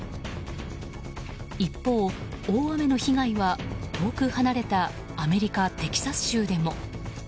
一方、大雨の被害は遠く離れたアメリカ・テキサス州でも。